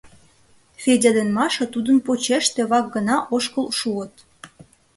Федя ден Маша тудын почеш тевак гына ошкыл шуыт.